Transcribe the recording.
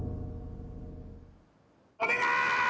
お願い！